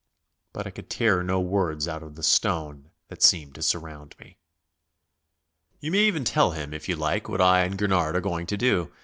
But I could tear no words out of the stone that seemed to surround me. "You may even tell him, if you like, what I and Gurnard are going to do.